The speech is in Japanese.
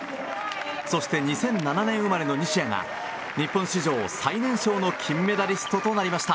そして２００７年生まれの西矢が日本史上最年少の金メダリストとなりました。